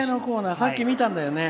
さっき見たんだよね。